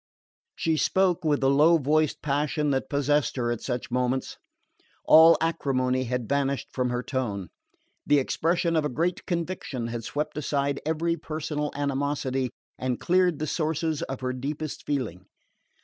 She spoke with the low voiced passion that possessed her at such moments. All acrimony had vanished from her tone. The expression of a great conviction had swept aside every personal animosity, and cleared the sources of her deepest feeling.